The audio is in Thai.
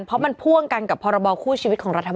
เพราะมันพ่วงกันกับพรบคู่ชีวิตของรัฐบาล